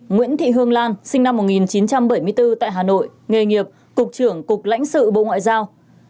nguyễn thị hương lan sinh năm một nghìn chín trăm bảy mươi bốn tại hà nội nghề nghiệp cục trưởng cục lãnh sự bộ ngoại giao